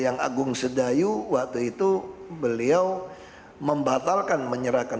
yang agung sedayu waktu itu beliau membatalkan menyerahkan